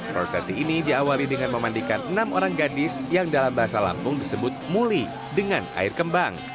prosesi ini diawali dengan memandikan enam orang gadis yang dalam bahasa lampung disebut muli dengan air kembang